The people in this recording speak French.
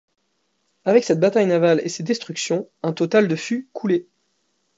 Avec cette bataille navale et ces destructions, un total de fut coulé.